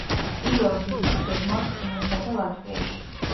პირველ ვიზიტს გეგმავს ფინეთსა და ლატვიაში.